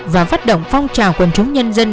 và phát động phong trào quân chúng nhân dân